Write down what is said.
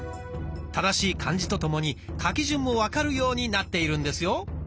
正しい漢字とともに書き順も分かるようになっているんですよ。